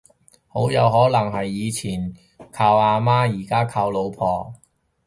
好有可能係以前靠阿媽而家靠老婆